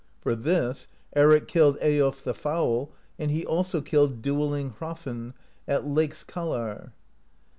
For this Eric killed Eyiolf the Foul, and he also killed Duelling Hrafn, at Leikskalar.